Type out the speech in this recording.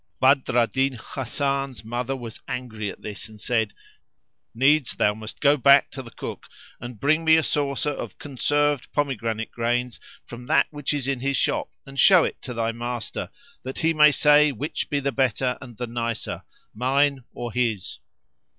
"[FN#473] Badr al Din Hasan's mother was angry at this and said, "Needs thou must go back to the cook and bring me a saucer of conserved pomegranate grains from that which is in his shop and show it to thy master, that he may say which be the better and the nicer, mine or his."